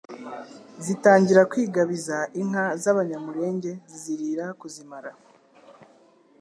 zitangira kwigabiza inka z'Abanyamulenge zizirira kuzimara